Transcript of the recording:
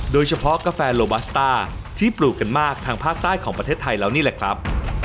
กาแฟโลบัสต้าที่ปลูกกันมากทางภาคใต้ของประเทศไทยแล้วนี่แหละครับ